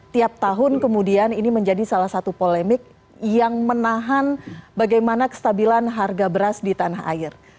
tiap tahun kemudian ini menjadi salah satu polemik yang menahan bagaimana kestabilan harga beras di tanah air